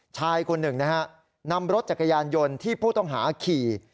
ชายคนหนึ่งนะฮะนำรถจักรยานยนต์ที่ผู้ต้องหาขี่